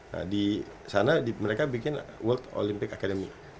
nah disana mereka bikin world olympic academy